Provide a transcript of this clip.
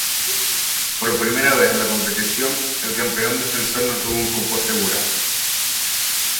Por primera vez en la competición, el campeón defensor no tuvo un cupo asegurado.